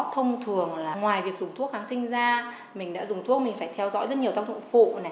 thông thường là ngoài việc dùng thuốc kháng sinh ra mình đã dùng thuốc mình phải theo dõi rất nhiều tác dụng phụ